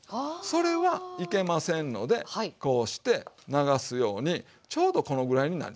それはいけませんのでこうして流すようにちょうどこのぐらいになったら。